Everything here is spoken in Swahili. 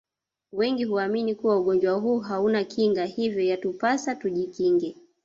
Wengi huamini kuwa ugonjwa huu hauna Kinga hivyo yatupasa tujikinge